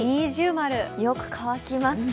よく乾きます。